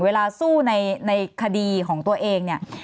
เวลาสู้ในคดีของตัวเอง